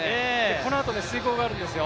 このあと、水濠があるんですよ。